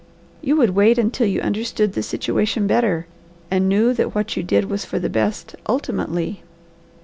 You would wait until you understood the situation better, and knew that what you did was for the best, ultimately."